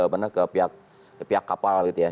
panduan ke mana ke pihak kapal gitu ya